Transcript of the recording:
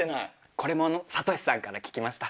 これも悟志さんから聞きました。